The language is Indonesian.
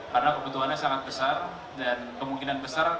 karena kebutuhannya sangat besar dan kemungkinan besarnya